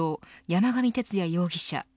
山上徹也容疑者